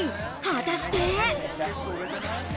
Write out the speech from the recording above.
果たして。